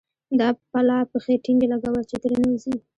دا پلا پښې ټينګې لګوه چې تېر نه وزې.